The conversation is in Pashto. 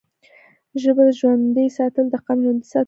ژبه ژوندی ساتل د قام ژوندی ساتل دي.